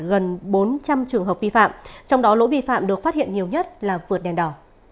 gần bốn trăm linh trường hợp vi phạm trong đó lỗi vi phạm được phát hiện nhiều nhất là vượt đèn đỏ